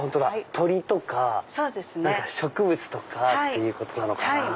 鳥とか植物とかっていうことなのかな。